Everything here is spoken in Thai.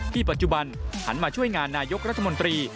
ปัจจุบันหันมาช่วยงานนายกรัฐมนตรี